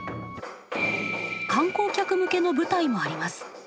観光客向けの舞台もあります。